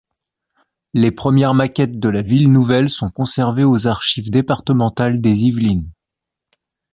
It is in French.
Les premières maquettes de la ville nouvelle sont conservées aux Archives départementales des Yvelines.